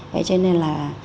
vậy cho nên là